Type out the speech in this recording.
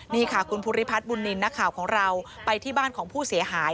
นี่ค่ะคุณภูริพัฒน์บุญนินทร์นักข่าวของเราไปที่บ้านของผู้เสียหาย